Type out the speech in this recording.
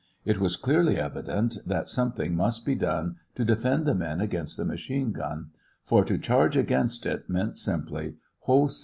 It was clearly evident that something must be done to defend the men against the machine gun; for to charge against it meant, simply, wholesale slaughter.